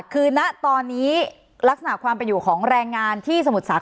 สวัสดีครับคุณจังฟันครับ